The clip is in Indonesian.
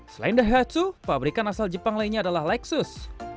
selain daihatsu pabrikan asal jepang lainnya adalah lexus